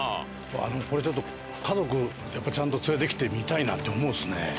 これちょっと家族やっぱりちゃんと連れてきて見たいなって思いますね。